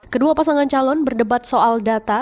kedua pasangan calon berdebat soal data